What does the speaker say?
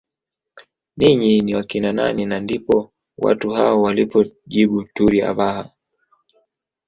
Ninyi ni wakina nani na ndipo watu hao walipojibu turi Abhaha